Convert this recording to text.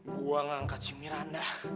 gue angkat si miranda